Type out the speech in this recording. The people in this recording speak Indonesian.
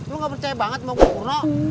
lo gak percaya banget mau gue kurno